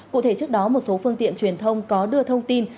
cụ thể trước đó một số phương tiện truyền thông có đưa thông tin